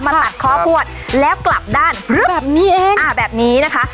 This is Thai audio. ตัดคอพวดแล้วกลับด้านแบบนี้เองอ่าแบบนี้นะคะ